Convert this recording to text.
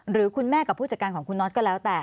หรือคุณแม่กับผู้จัดการของคุณน็อตก็แล้วแต่